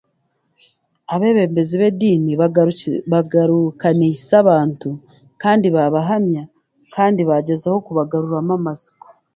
Abeebembezi b'ediini bagaruki bagarukaniise abantu, kandi baabahamya kandi baagyezaho kubagaruramu amatsiko.